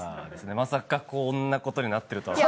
まさかこんな事になってるとは。